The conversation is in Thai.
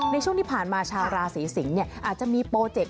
ในช่วงที่ผ่านมาชาวราศีสิงศ์อาจจะมีโปรเจกต์